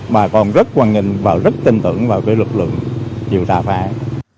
mà còn rất quan hệ và rất tin tưởng vào cái lực lượng điều tra phải